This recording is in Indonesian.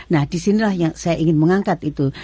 nah disinilah yang saya ingin mengangkat itu